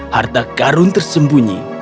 harta karun tersembunyi